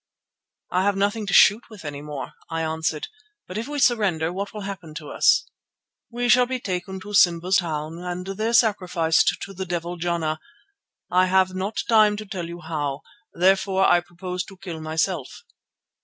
"I have nothing to shoot with any more," I answered. "But if we surrender, what will happen to us?" "We shall be taken to Simba's town and there sacrificed to the devil Jana—I have not time to tell you how. Therefore I propose to kill myself."